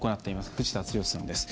藤田壮さんです。